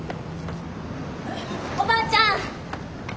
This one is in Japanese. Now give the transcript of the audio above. おばあちゃん！